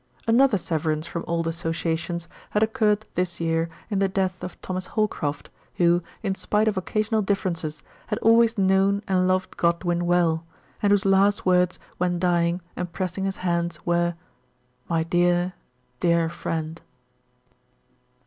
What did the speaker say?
Another severance from old associations had occurred this year in the death of Thomas Holcroft who, in spite of occasional differences, had always known and loved Godwin well, and whose last words when clving and pressing his hands were, " My dear, dear friend."